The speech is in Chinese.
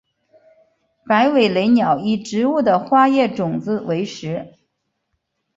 白尾雷鸟以植物的花叶种子为食。